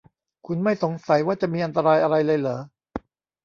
คุณไม่สงสัยว่าจะมีอันตรายอะไรเลยหรอ ?